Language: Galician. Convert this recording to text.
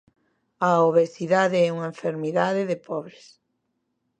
A obesidade é unha enfermidade de pobres.